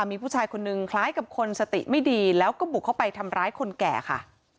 มีผู้ชายคนนึงคล้ายกับคนสติไม่ดีแล้วก็บุกเข้าไปทำร้ายคนแก่ค่ะ